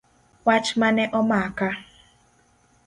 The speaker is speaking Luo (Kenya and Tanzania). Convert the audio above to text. Wach mane omaka.